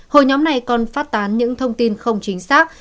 hồi nhóm này còn phát tán những thông tin không chính xác